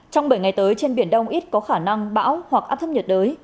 trong bảy ngày tới trên biển đông ít có khả năng bão hoặc áp thấp nhiệt đới